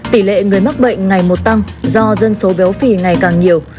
tỷ lệ người mắc bệnh ngày một tăng do dân số béo phì ngày càng nhiều